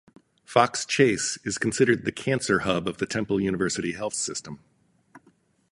Fox Chase is considered the "Cancer Hub" of the Temple University Health System.